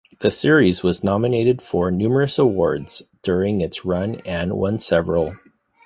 The series was nominated for numerous awards during its run, and won several.